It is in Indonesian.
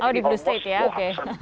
oh di bloo state ya oke